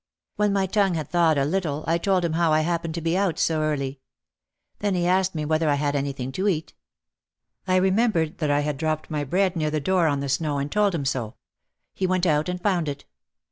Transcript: When my tongue had thawed a little I told him how I happened to be out so early. Then he asked me whether I had anything to eat. I remembered that I had dropped my bread near the door on the snow and told him so. He went out and found it.